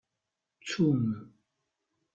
Ttum!